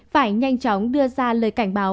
phải nhanh chóng đưa ra lời cảnh báo